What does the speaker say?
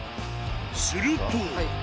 すると。